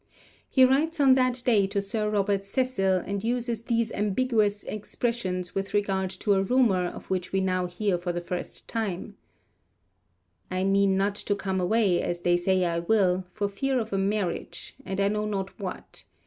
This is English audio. He writes on that day to Sir Robert Cecil, and uses these ambiguous expressions with regard to a rumour of which we now hear for the first time: I mean not to come away, as they say I will, for fear of a marriage, and I know not what.